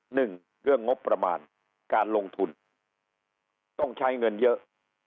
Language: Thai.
หนึ่งเรื่องงบประมาณการลงทุนต้องใช้เงินเยอะ